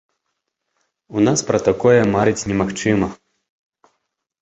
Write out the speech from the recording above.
У нас пра такое марыць немагчыма!